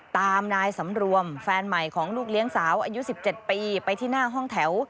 ตามนายสำรวมแฟนใหม่ของลูกเลี้ยงสาวอายุ๑๗ปีไปที่หน้าห้องแถว